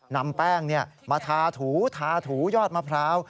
นำแป้งมาทาถูทาถูยอดมะพร้าว